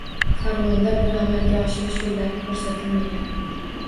Farmonda buni amalga oshirish yo'llari ko'rsatilmagan